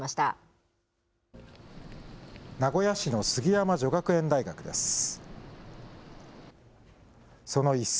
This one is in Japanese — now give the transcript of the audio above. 名古屋市の椙山女学園大学です。